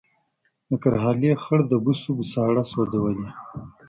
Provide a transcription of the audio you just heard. د کرهالې خړ د بوسو بوساړه سوځولې